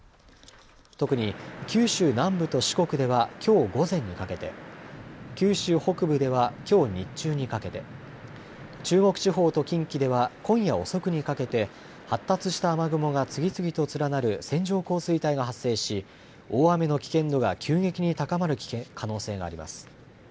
特に九州南部と四国ではきょう午前にかけて、九州北部ではきょう日中にかけて、中国地方と近畿では今夜遅くにかけて、発達した雨雲が次々と連なる線状降水帯が発生し、大雨の危険度が急激に高まる可能性があります。